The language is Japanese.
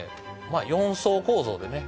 まあ四層構造でね